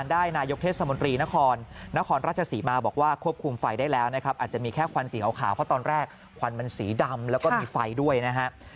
ดันแล้วก็มีไฟด้วยนะฮะ